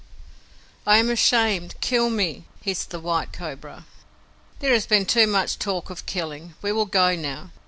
"I am ashamed. Kill me!" hissed the White Cobra. "There has been too much talk of killing. We will go now.